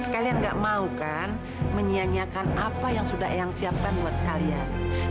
kalian gak mau kan menyianyiakan apa yang sudah eyang siapkan buat kalian